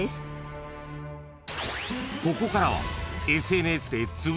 ［ここからは］